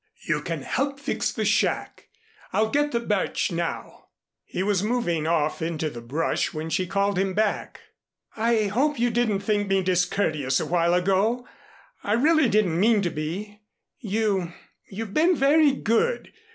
"You can help fix the shack. I'll get the birch now." He was moving off into the brush when she called him back. "I hope you didn't think me discourteous awhile ago. I really didn't mean to be. You you've been very good.